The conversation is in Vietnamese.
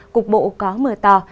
cục bộ có mưa to